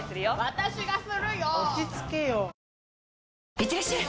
いってらっしゃい！